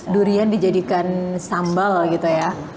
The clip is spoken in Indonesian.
durian dijadikan sambal gitu ya